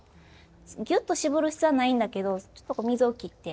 ぎゅっと絞る必要はないんだけどちょっと水を切って。